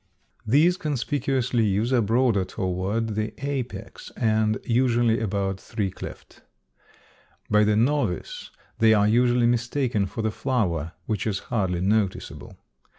These conspicuous leaves are broader toward the apex and usually about three cleft. By the novice they are usually mistaken for the flower, which is hardly noticeable.